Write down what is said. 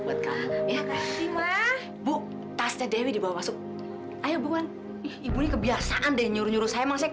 buk tasnya dewi dibawa masuk ayo buan ibu kebiasaan deh nyuruh nyuruh saya masih